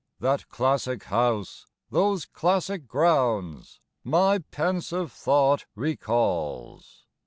That classic house, those classic grounds My pensive thought recalls!